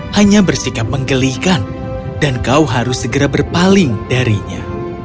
hanya bersikap menggelihkan dan kau harus segera berpaling darinya